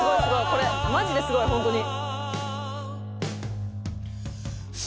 これマジですごいホントに」